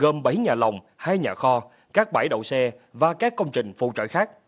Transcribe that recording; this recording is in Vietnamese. gồm bảy nhà lòng hai nhà kho các bãi đậu xe và các công trình phụ trợ khác